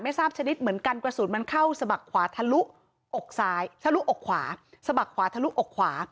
ไม่ทราบชนิดเหมือนกันกระสุนมันเข้าสะบักขวาทะลุอกขวา